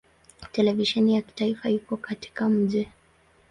Televisheni ya kitaifa iko katika mji.